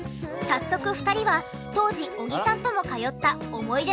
早速２人は当時小木さんとも通った思い出のお店へ。